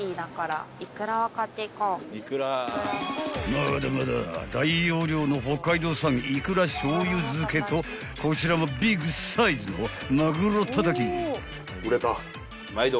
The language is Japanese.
［まだまだ大容量の北海道産いくら醤油漬けとこちらもビッグサイズのまぐろたたき］